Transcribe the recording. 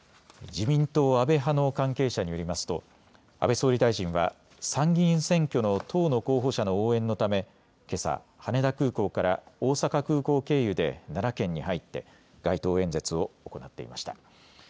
自民党安倍派の関係者によりますと安倍総理大臣は参議院選挙の党の候補者の応援のためけさ、羽田空港から大阪空港経由で奈良県に入って街頭演説を行っていました。